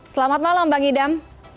selamat malam bang idam